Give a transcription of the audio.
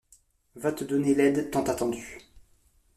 va te donner l'aide tant attendue.